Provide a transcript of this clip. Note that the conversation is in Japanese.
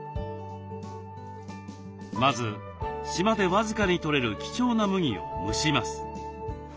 まず島で僅かにとれる貴重な麦を蒸します。